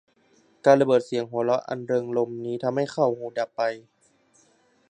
การระเบิดเสียงหัวเราะอันเริงรมย์นี้ทำให้เขาหูดับไป